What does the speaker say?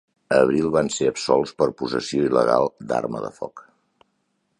A abril van ser absolts per possessió il·legal d'arma de foc.